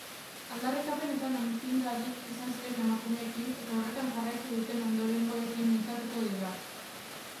Aldarrikapenetan aitzindari izan ziren emakumeekin, eta horretan jarraitu duten ondorengoekin mintzatuko dira.